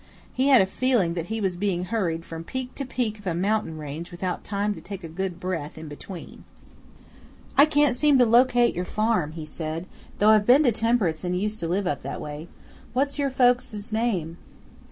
He had a feeling that he was being hurried from peak to peak of a mountain range without time to take a good breath in between. "I can't seem to locate your farm," he said, "though I've been to Temperance and used to live up that way. What's your folks' name?"